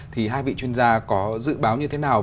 thì hai vị chuyên gia có dự báo như thế nào